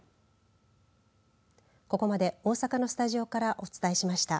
ここまで、大阪のスタジオからお伝えしました。